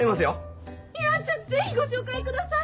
いやじゃあ是非ご紹介ください。